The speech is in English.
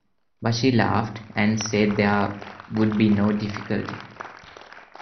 But she laughed, and said there would be no difficulty.